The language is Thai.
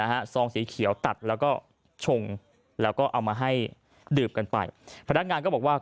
ซองสีเขียวตัดแล้วก็ชงแล้วก็เอามาให้ดื่มกันไปพนักงานก็บอกว่า